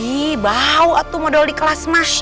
ih bau atu modal di kelas mah